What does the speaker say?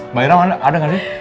mbak ira ada ga sih